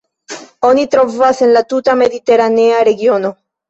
Oni trovas en la tuta mediteranea regiono.